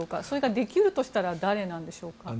それができるとしたら誰なんでしょうか？